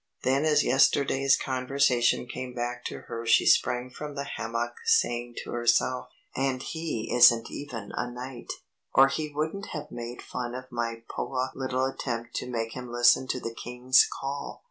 Then as yesterday's conversation came back to her she sprang from the hammock saying to herself, "And he isn't even a knight, or he wouldn't have made fun of my poah little attempt to make him listen to the King's call.